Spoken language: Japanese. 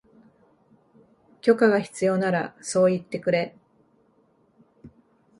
許可が必要ならそう言ってくれ